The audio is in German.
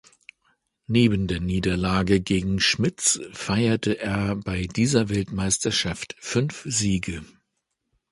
Neben der Niederlage gegen Schmitz feierte er bei dieser Weltmeisterschaft fünf Siege.